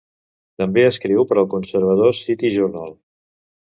També escriu per al conservador "City Journal".